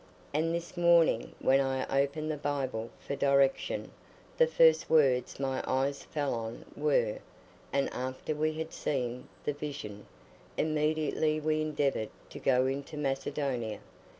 And this morning when I opened the Bible for direction, the first words my eyes fell on were, 'And after we had seen the vision, immediately we endeavoured to go into Macedonia.